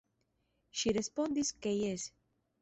Ŝi respondis, ke jes".